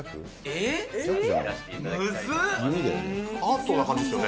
アートな感じですよね。